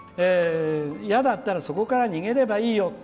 嫌だったらそこから逃げればいいよ。